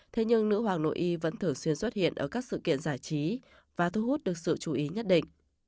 thế nhưng nữ hoàng nội y vẫn thường xuyên xuất hiện ở các sự kiện giải trí và thu hút được sự chú ý nhất định